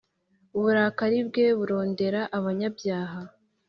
uburakari bwe burondera abanyabyaha